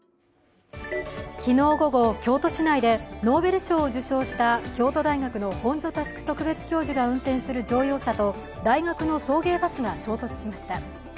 昨日午後、京都市内でノーベル賞を受賞した京都大学の本庶佑特別教授が運転する乗用車と大学の送迎バスが衝突しました。